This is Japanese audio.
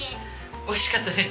おいしかったです。